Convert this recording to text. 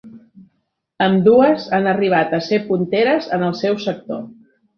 Ambdues han arribat a ser punteres en el seu sector.